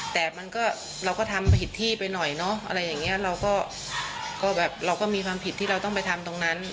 แต่เราก็ทำผิดที่ไปหน่อยเราก็มีความผิดที่เราต้องไปทำตรงนั้น